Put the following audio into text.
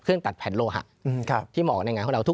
ตัดแผ่นโลหะที่เหมาะในงานของเรา